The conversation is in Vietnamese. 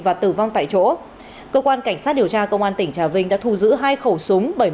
và tử vong tại chỗ cơ quan cảnh sát điều tra công an tỉnh trà vinh đã thu giữ hai khẩu súng